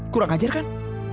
kurang ajar kan